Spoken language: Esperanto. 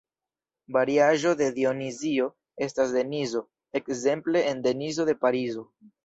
Variaĵo de "Dionizio" estas Denizo, ekzemple en Denizo de Parizo.